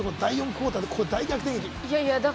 第４クオーターの大逆転劇。